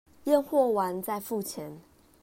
驗貨完再付錢